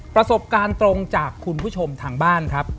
ประสบการณ์ตรงจากคุณผู้ชมทางบ้านครับ